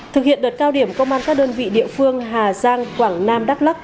thực hiện đợt cao điểm công an các đơn vị địa phương hà giang quảng nam đắk lắc